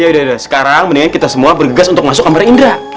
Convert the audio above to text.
yaudah yaudah sekarang mendingan kita semua bergegas untuk masuk kamar indra